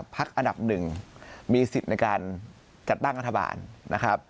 พักอันดับหนึ่งมีสิทธิ์ในการจัดตั้งรัฐบาลนะครับ